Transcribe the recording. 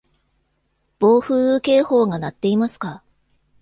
暴風雨警報が鳴っていますか